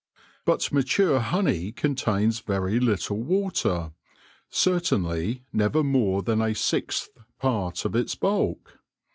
But mature honey contains very little water, certainly never more than a sixth part of its bulk.